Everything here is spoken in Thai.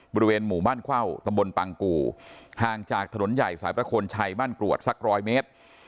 บริเวณหมู่บ้านเข้าตำบลปังกู่ห่างจากถนนใหญ่สายประโคนชัยบ้านกรวดสักร้อยเมตร